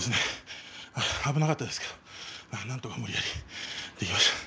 危なかったですけどもなんとか無理やりいきました。